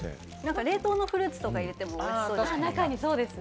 冷凍のフルーツとか入れてもおいしそうですね。